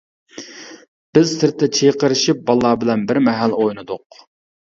بىز سىرتتا چىقىرىشىپ بالىلار بىلەن بىر مەھەل ئوينىدۇق.